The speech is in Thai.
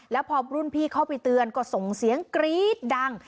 แล้วพอรุ่นพี่เข้าไปเตือนก็ส่งเสียงกรี๊ดดัง